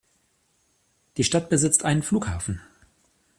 Die Stadt besitzt einen Flughafen.